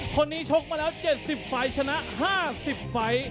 คนนี้ชกมาแล้ว๗๐ไฟชนะ๕๐ไฟ